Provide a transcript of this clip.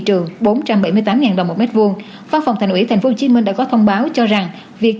trường bốn trăm bảy mươi tám đồng một mét vuông văn phòng thành ủy tp hcm đã có thông báo cho rằng việc